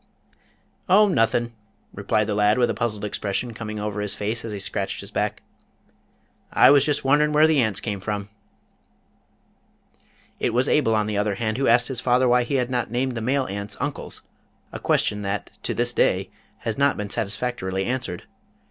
"Oh, nothin'," replied the lad with a puzzled expression coming over his face as he scratched his back. "I was just wonderin' where the Ants came from." It was Abel on the other hand who asked his father why he had not named the male ants uncles, a question that to this day has not been satisfactorily answered.